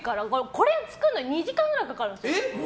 これを作るのに２時間くらいかかるんですよ。